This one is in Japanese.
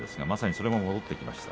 それも戻ってきました。